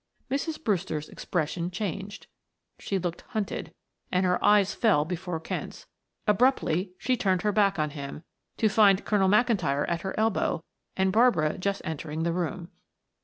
Mrs. Brewster's expression changed she looked hunted, and her eyes fell before Kent's; abruptly she turned her back on him, to find Colonel McIntyre at her elbow and Barbara just entering the room.